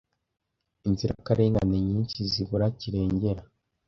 inzirakarengane nyinshi zibura kirengera